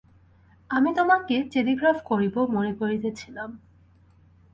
আমি তোমাকে টেলিগ্রাফ করিব মনে করিতেছিলাম।